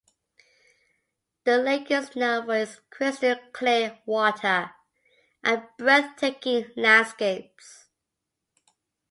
The lake is known for its crystal clear water and breathtaking landscapes.